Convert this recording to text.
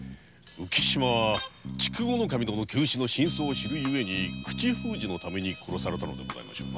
浮島は酒村筑後守殿急死の真相を知る故に口封じのため殺されたのでしょう。